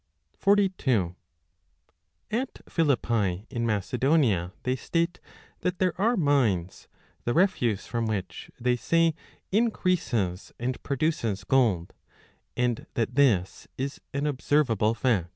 42 At Philippi in Macedonia they state that there are mines, the refuse from which, they say, increases and pro 30 duces gold, and that this is an observable fact.